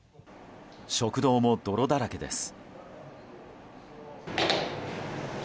食堂も泥だらけです。